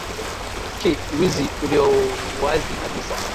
K wizi uliouwazi kabisa